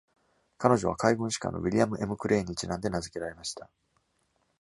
彼女は海軍士官のウィリアム・ M ・クレーンにちなんで名付けられました。